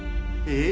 いい？